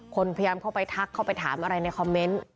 คนพยายามเข้าไปทักเข้าไปถามอะไรในคอมเมนต์